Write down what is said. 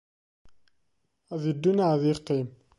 Ad iddu neɣ ad iqqim.